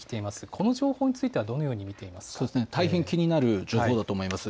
この情報については、どのように大変気になる情報だと思います。